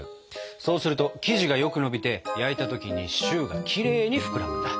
そうすると生地がよく伸びて焼いた時にシューがきれいに膨らむんだ。